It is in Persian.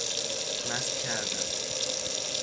مست کردن